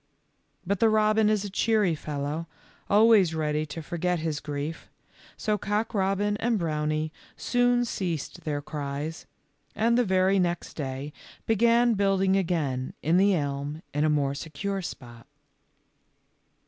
But the robin is a cheery fellow, always ready to forget his grief, so Cock robin and Brownie soon ceased their cries, and the very next day began building again in the elm in a more secure spot.